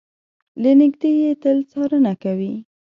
له نږدې يې تل څارنه کوي.